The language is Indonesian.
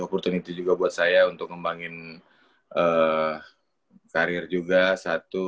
opportunity juga buat saya untuk ngembangin karir juga satu